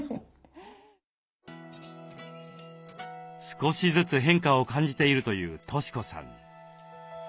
少しずつ変化を感じているという俊子さん。